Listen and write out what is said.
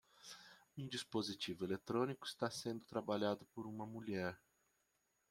Um dispositivo eletrônico está sendo trabalhado por uma mulher.